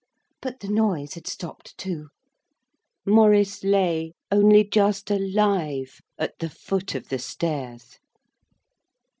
But the noise had stopped too. Maurice lay only just alive at the foot of the stairs.